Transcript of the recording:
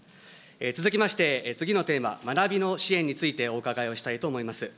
続きまして、次のテーマ、学びの支援についてお伺いをしたいと思います。